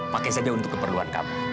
pakai saja untuk keperluan kami